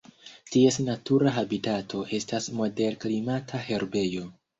Ties natura habitato estas moderklimata herbejo.